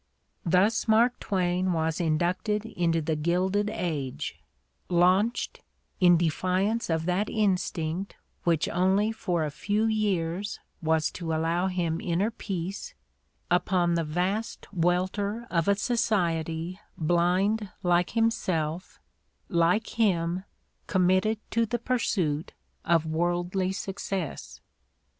Thus Mark Twain was inducted into the Gilded Age, launched, in defiance of that instinct which only for a few years was to allow him inner peace, upon the vast welter of a society blind like himself, like him com mitted to the pursuit of worldly success.